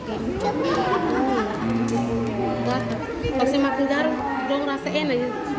kasih makan jarum dong rasa enak